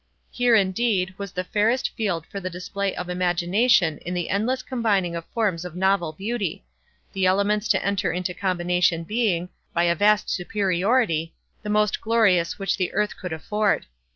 Here, indeed, was the fairest field for the display of imagination in the endless combining of forms of novel beauty; the elements to enter into combination being, by a vast superiority, the most glorious which the earth could afford.